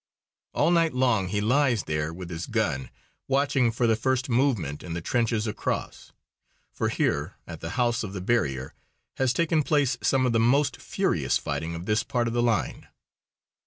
All night long he lies there with his gun, watching for the first movement in the trenches across. For here, at the House of the Barrier, has taken place some of the most furious fighting of this part of the line.